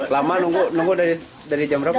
lama nunggu nunggu dari jam berapa